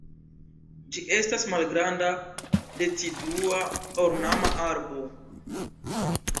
Ĝi estas malgranda, decidua, ornama arbo.